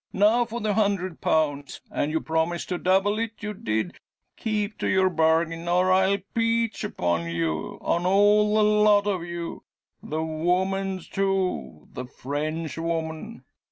Now for the hundred pounds. And you promised to double it you did! Keep to your bargain, or I'll peach upon you on all the lot of you the woman, too the French woman!